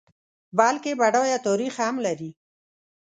بلکه بډایه تاریخ هم لري.